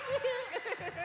ウフフフ！